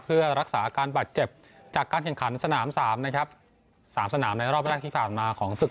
เพื่อรักษาอาการบาดเจ็บจากการแข่งขันสนามสามนะครับสามสนามในรอบแรกที่ผ่านมาของศึก